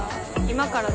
・今から？